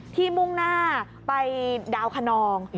มุ่งหน้าไปดาวคนอง